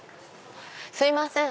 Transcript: すいません。